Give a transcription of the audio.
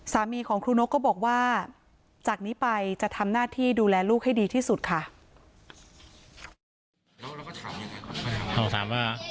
สามีของครูนกก็บอกว่าจากนี้ไปจะทำหน้าที่ดูแลลูกให้ดีที่สุดค่ะ